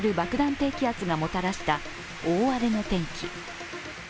低気圧がもたらした大荒れの天気。